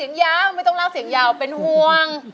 อุ๊ยตายไม่ต้องล่างเสียงยาวเป็นห่วง